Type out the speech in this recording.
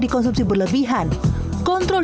dikonsumsi berlebihan kontrol